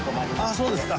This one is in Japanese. そうですか。